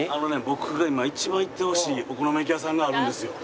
僕が今一番行ってほしいお好み焼き屋さんがあるんですよ。